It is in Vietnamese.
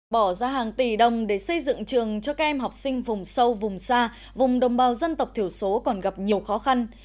bỏ ra hàng tỷ đồng để xây dựng trường cho các em học sinh vùng sâu vùng xa vùng đồng bào dân tộc thiểu số còn gặp nhiều khó khăn